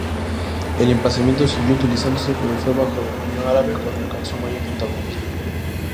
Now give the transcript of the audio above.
El emplazamiento siguió utilizándose, pero fue bajo dominio árabe cuando alcanzó mayor protagonismo.